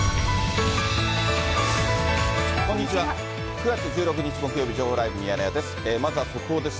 ９月１６日木曜日、情報ライブミヤネ屋です。